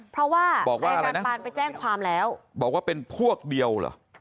เพราะว่าบอกว่าอาจารย์ปานไปแจ้งความแล้วบอกว่าเป็นพวกเดียวเหรอ